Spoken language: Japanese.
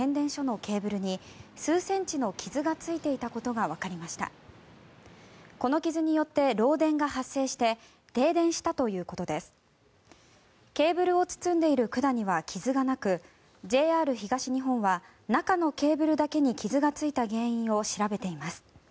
ケーブルを包んでいる管には傷がなく、ＪＲ東日本は中のケーブルだけに傷がついた原因を調べています。